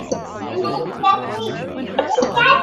Do right and fear no man.